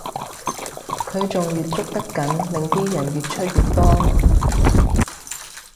佢仲越捉得緊令啲人越出越多